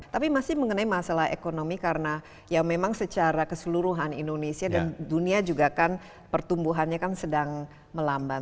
tapi masih mengenai masalah ekonomi karena ya memang secara keseluruhan indonesia dan dunia juga kan pertumbuhannya kan sedang melamban